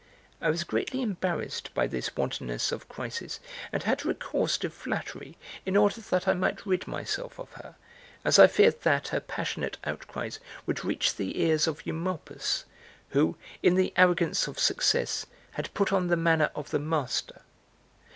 (I was greatly embarrassed by this wantonness of Chrysis and had recourse to flattery in order that I might rid myself of her, as I feared that her passionate outcries would reach the ears of Eumolpus who, in the arrogance of success, had put on the manner of the master.